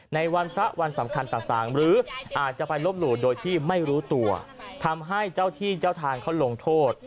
ในวันพระวันสำคัญต่างหรืออาจจะไปลบหลู่โดยที่ไม่รู้ตัวทำให้เจ้าที่เจ้าทางเขาลงโทษ